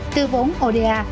từ vốn oda